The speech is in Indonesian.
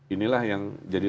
inilah yang jadi